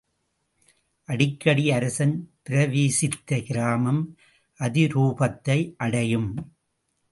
அடிக்கடி அரசன் பிரவேசித்த கிராமம் அதிரூபத்தை அடையும்.